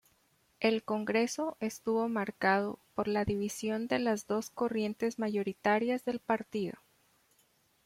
El Congreso estuvo marcado por la división de las dos corrientes mayoritarias del Partido.